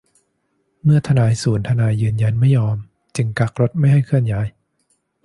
เมื่อทนายศูนย์ทนายยืนยันไม่ยอม จึงกักรถไม่ให้เคลื่อนย้าย